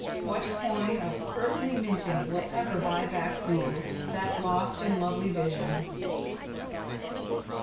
What coin of earthly minting will ever buy back for you that lost and lovely vision?